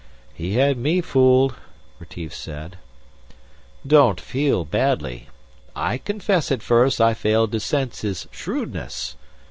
"He had me fooled," Retief said. "Don't feel badly; I confess at first I failed to sense his shrewdness."